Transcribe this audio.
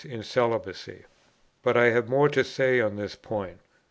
in celibacy. But I have more to say on this point.